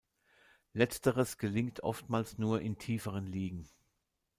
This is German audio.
Letzteres gelingt oftmals nur in tieferen Ligen.